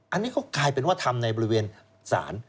อันนี้ก็กลายเป็นว่าทำในบริเวณศาล